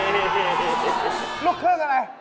ลูกเครื่องอะไร